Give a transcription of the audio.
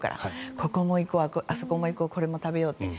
ここも行こう、あそこも行こうこれも食べようって。